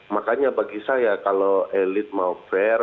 makanya bagi saya kalau elit mau fair